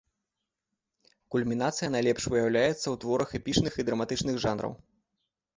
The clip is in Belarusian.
Кульмінацыя найлепш выяўляецца ў творах эпічных і драматычных жанраў.